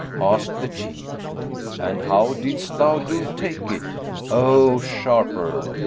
Asked the Chief, "And how didst thou do to take it, O sharper?"